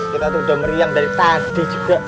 kita tuh udah meriang dari tadi juga